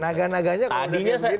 naga naganya kalau udah di